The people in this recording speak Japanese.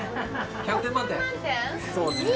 １００点満点？